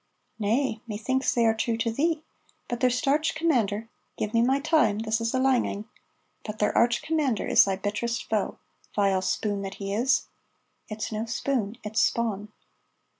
"'Nay, methinks they are true to thee, but their starch commander (give me my time, this is a lang ane,) but their arch commander is thy bitterest foe. Vile spoon that he is! (It's no spoon, it's spawn.)"